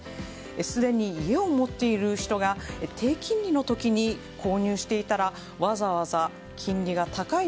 すでに家を持っている人が低金利の時に購入していたらわざわざ金利が高い